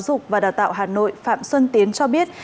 giáo dục và đào tạo hà nội phạm xuân tiến cho biết